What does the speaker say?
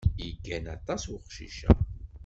Yeggan aṭas uqcic-a.